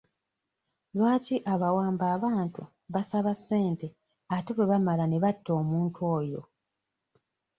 Lwaki abawamba abantu basaba ssente ate bwe bamala ne batta omuntu oyo?